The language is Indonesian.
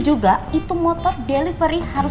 juga itu motor delivery harus